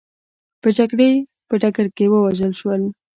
په جګړې په ډګر کې ووژل شول.